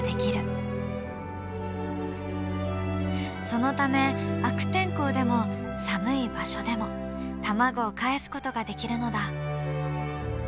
そのため悪天候でも寒い場所でも卵をかえすことができるのだ。